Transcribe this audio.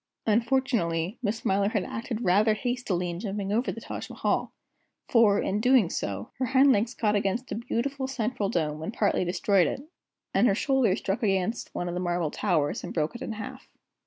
Unfortunately, Miss Smiler had acted rather hastily in jumping over the Taj Mahal, for, in so doing, her hind legs caught against the beautiful central dome, and partly destroyed it; and her shoulder struck against one of the marble towers and broke it in half.